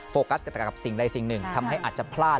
โฟกัสกันแต่กับสิ่งใดสิ่งหนึ่งทำให้อาจจะพลาด